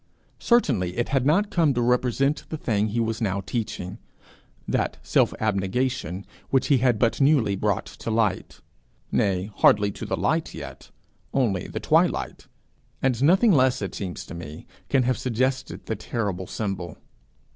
Certainly it had not come to represent the thing he was now teaching, that self abnegation which he had but newly brought to light nay, hardly to the light yet only the twilight; and nothing less, it seems to me, can have suggested the terrible symbol!